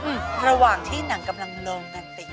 อืมระหว่างที่หนังกำลังโรงร้ายก์นั้นไป